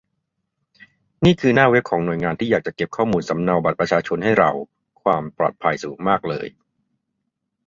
นี่คือหน้าเวบของหน่วยงานที่อยากจะเก็บข้อมูลสำเนาบัตรประชาชนให้เรา ความปลอดภัยสูงมากเลย